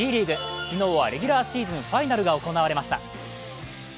昨日はレギュラーシーズンファイナルが行われました。